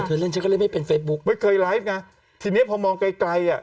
เล่นฉันก็เล่นไม่เป็นเฟซบุ๊คไม่เคยไลฟ์ไงทีเนี้ยพอมองไกลไกลอ่ะ